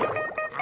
あ！